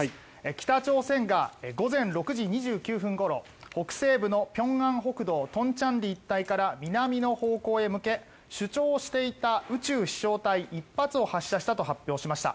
北朝鮮が午前６時２９分ごろ北西部の平安北道東倉里一帯から南の方向へ向け主張していた宇宙飛翔体１発を発射したと発表しました。